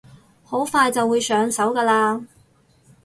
好快就會上手㗎喇